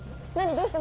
どうした？